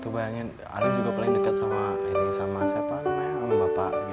bayangkan alif juga paling dekat dengan siapa namanya